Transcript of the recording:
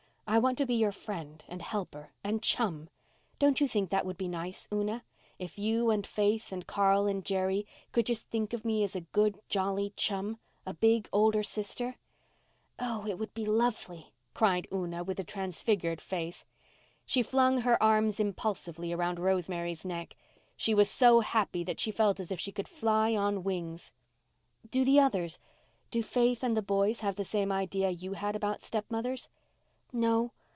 I want to be your friend and helper and chum. Don't you think that would be nice, Una—if you and Faith and Carl and Jerry could just think of me as a good jolly chum—a big older sister?" "Oh, it would be lovely," cried Una, with a transfigured face. She flung her arms impulsively round Rosemary's neck. She was so happy that she felt as if she could fly on wings. "Do the others—do Faith and the boys have the same idea you had about stepmothers?" "No.